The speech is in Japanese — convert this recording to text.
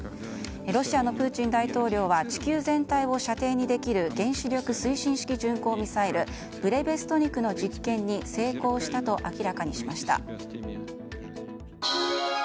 ロシアのプーチン大統領は地球全体を射程にできる原子力推進式巡航ミサイルブレベストニクの実験に成功したと明らかにしました。